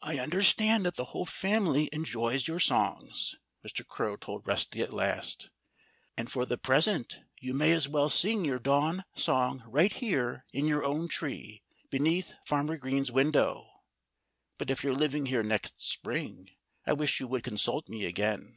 "I understand that the whole family enjoys your songs," Mr. Crow told Rusty at last. "And for the present you may as well sing your dawn song right here in your own tree, beneath Farmer Green's window. But if you're living here next spring, I wish you would consult me again."